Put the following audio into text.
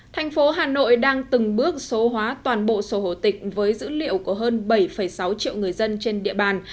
thành phố hà nội đang từng bước số hóa toàn bộ sổ hồ tịch với dữ liệu của hơn bảy sáu triệu người dân trên địa bàn